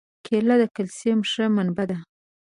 کېله د کلسیم ښه منبع ده.